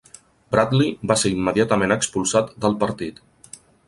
Bradley va ser immediatament expulsat del partit.